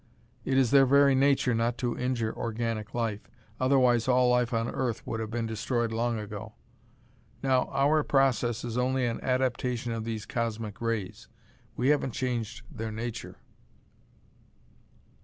It is their very nature not to injure organic life, otherwise all life on Earth would have been destroyed long ago. Now, our process is only an adaptation of these cosmic rays. We haven't changed their nature."